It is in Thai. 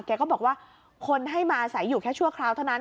แกก็บอกว่าคนให้มาอาศัยอยู่แค่ชั่วคราวเท่านั้น